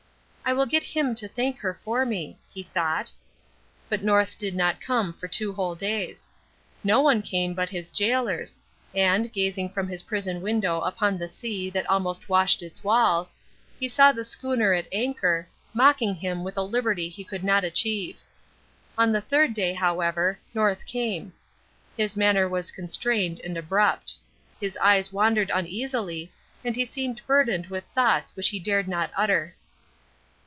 "I will get him to thank her for me," he thought. But North did not come for two whole days. No one came but his gaolers; and, gazing from his prison window upon the sea that almost washed its walls, he saw the schooner at anchor, mocking him with a liberty he could not achieve. On the third day, however, North came. His manner was constrained and abrupt. His eyes wandered uneasily, and he seemed burdened with thoughts which he dared not utter.